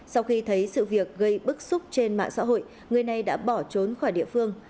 sau khi thấy sự việc gây bức xúc trên mạng xã hội người này đã bỏ trốn khỏi địa phương